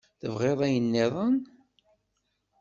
Tebɣiḍ ayen nniḍen?